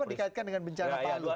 dikaitkan dengan bencana palu